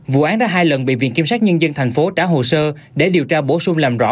vụ án đã hai lần bị viện kiểm sát nhân dân tp trả hồ sơ để điều tra bổ sung làm rõ